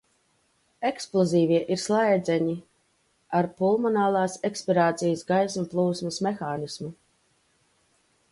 Eksplozīvie ir slēdzeņi ar pulmonālas ekspirācijas gaisa plūsmas mehānismu.